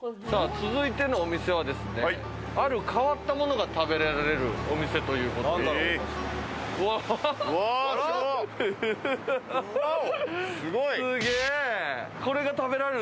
続いてのお店は、ある変わったものが食べられるお店ということです。